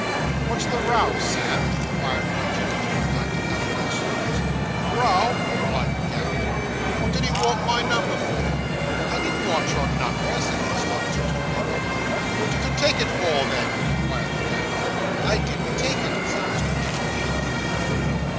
'What's the row, Sam?' inquired one gentleman in black calico sleeves. 'Row!' replied the cabman, 'what did he want my number for?' 'I didn't want your number,' said the astonished Mr. Pickwick. 'What did you take it for, then?' inquired the cabman. 'I didn't take it,' said Mr. Pickwick indignantly.